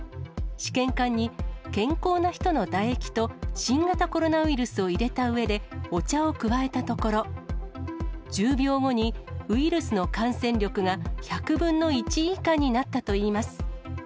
試験管に健康な人の唾液と新型コロナウイルスを入れたうえで、お茶を加えたところ、１０秒後にウイルスの感染力が１００分の１以下になったといいます。